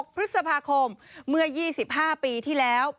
พฤษภาคมเมื่อ๒๕ปีที่แล้ว